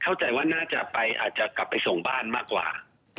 เข้าใจว่าน่าจะไปอาจจะกลับไปส่งบ้านมากกว่า